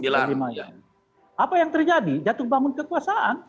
apa yang terjadi jatuh bangun kekuasaan